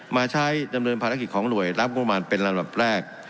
มาใช้ดำเนินภารกิจของหน่วยรับงบประมาณเป็นระดับแรก